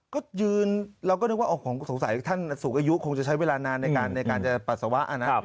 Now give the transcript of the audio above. ก็ยืนเราก็นึกว่าสงสัยท่านสูงอายุคงจะใช้เวลานานในการจะปัสสาวะนะ